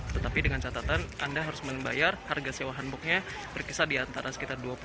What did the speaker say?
tetapi dengan catatan anda harus membayar harga sewa hanboknya berkisar di antara sekitar dua puluh